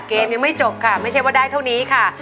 เกมยังไม่จบค่ะไม่ใช่ว่าได้เท่านี้ค่ะ